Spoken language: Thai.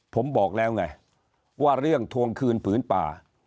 ผมบอกแล้วไงว่าเรื่องทวงคืนผืนป่า